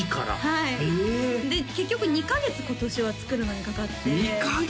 はいで結局２カ月今年は作るのにかかって２カ月？